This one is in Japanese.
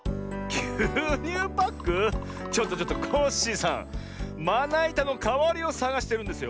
ちょっとちょっとコッシーさんまないたのかわりをさがしてるんですよ。